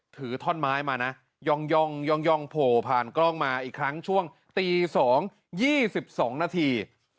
ถือท่อนไม้มานะย่องย่องย่องย่องโผล่ผ่านกล้องมาอีกครั้งช่วงตีสองยี่สิบสองนาที